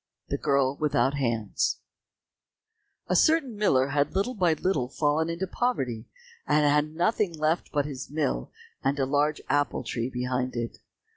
31 The Girl Without Hands A certain miller had little by little fallen into poverty, and had nothing left but his mill and a large apple tree behind it.